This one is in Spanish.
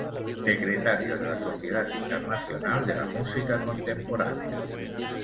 Secretario de la Sociedad Internacional de la Música Contemporánea.